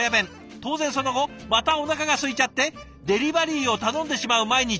当然その後またおなかがすいちゃってデリバリーを頼んでしまう毎日。